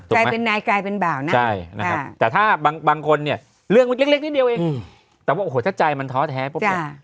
กลายเป็นนายกลายเป็นบ่าวนะใช่นะครับแต่ถ้าบางคนเนี่ยเรื่องมันเล็กนิดเดียวเองแต่ว่าโอ้โหถ้าใจมันท้อแท้ปุ๊บเนี่ย